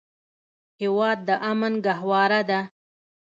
هېواد د امن ګهواره ده.